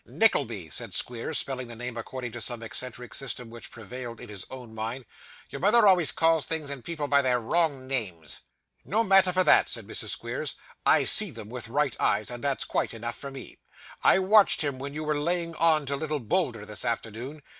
'Nickleby,' said Squeers, spelling the name according to some eccentric system which prevailed in his own mind; 'your mother always calls things and people by their wrong names.' 'No matter for that,' said Mrs. Squeers; 'I see them with right eyes, and that's quite enough for me. I watched him when you were laying on to little Bolder this afternoon.